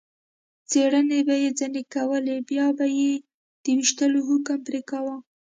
څېړنې به یې ځنې کولې، بیا به یې د وېشتلو حکم پرې کاوه.